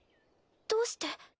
どうして？